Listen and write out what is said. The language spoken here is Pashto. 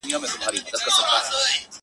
o د بل غم نيم اختر دئ٫